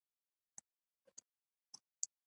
ځنګلونه د افغانستان د چاپیریال د مدیریت لپاره مهم دي.